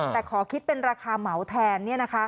แต่ขอคิดเป็นราคาเหมาแทน